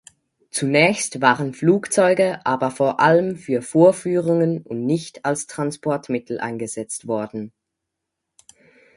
Zunächst waren Flugzeuge aber vor allem für Vorführungen und nicht als Transportmittel eingesetzt worden.